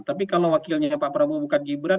tapi kalau wakilnya pak prabowo bukan gibran